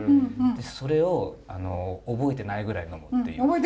それを覚えてないぐらい呑むっていう。